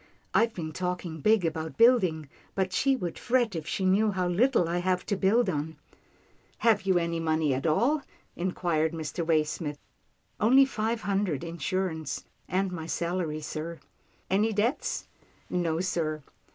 " I've been talking big about building, but she would fret if she knew how little I have to build on." "Have you any money at all?" inquired Mr. Waysmith. " Only five hundred insurance, and my salary, sir." "Any debts?" "No sir."